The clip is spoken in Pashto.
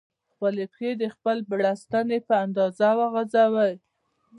خپلې پښې د خپل بړستن په اندازه غځوئ.